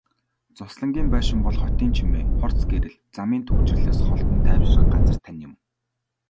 Зуслангийн байшин бол хотын чимээ, хурц гэрэл, замын түгжрэлээс холдон тайвшрах газар тань юм.